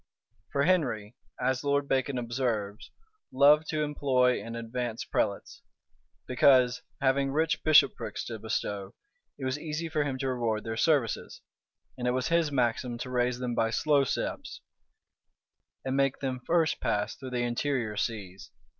For Henry, as Lord Bacon observes, loved to employ and advance prelates; because, having rich bishoprics to bestow, it was easy for him to reward their services: and it was his maxim to raise them by slow steps, and make them first pass through the interior sees.